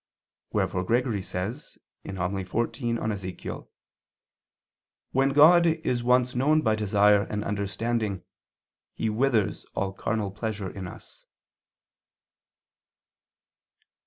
Wherefore Gregory say (Hom. xiv in Ezech.): "When God is once known by desire and understanding, He withers all carnal pleasure in us."